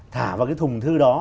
thả vào cái thùng thư đó